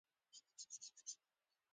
تر ښار لږ هاخوا یو رومي تیاتر دی.